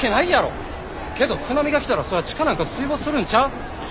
けど津波が来たらそりゃ地下なんか水没するんちゃう？